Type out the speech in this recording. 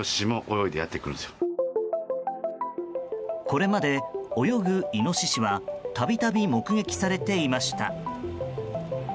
これまで泳ぐイノシシは度々、目撃されていました。